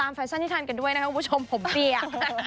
แฟชั่นที่ทันกันด้วยนะครับคุณผู้ชมผมเปียก